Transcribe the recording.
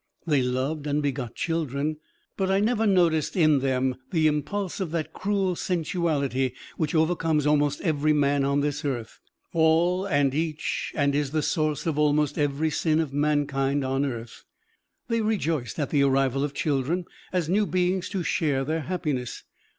They loved and begot children, but I never noticed in them the impulse of that cruel sensuality which overcomes almost every man on this earth, all and each, and is the source of almost every sin of mankind on earth. They rejoiced at the arrival of children as new beings to share their happiness.